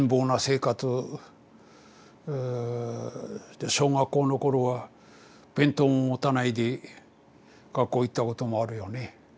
で小学校の頃は弁当も持たないで学校行ったこともあるよね。